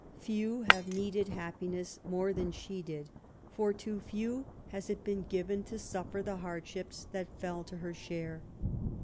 Few have needed happiness more than she did^ for to few has it been given to suffer the hardships that fell to her share.